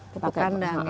pupuk kandang ya